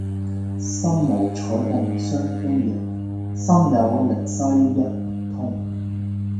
身無彩鳳雙飛翼，心有靈犀一點通。